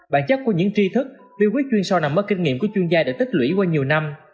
bản chất của những tri thức viết quyết chuyên sau nằm ở kinh nghiệm của chuyên gia đã tích lũy qua nhiều năm